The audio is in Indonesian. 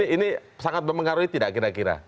ini sangat mempengaruhi tidak kira kira